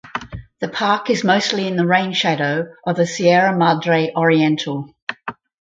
The park is mostly in the rain shadow of the Sierra Madre Oriental.